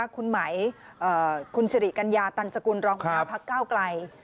คุณไหมคุณสิริกัญญาตันสกุลรองหัวหน้าพักเก้าไกล